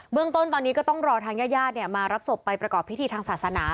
เรื่องต้นตอนนี้ก็ต้องรอทางญาติญาติมารับศพไปประกอบพิธีทางศาสนา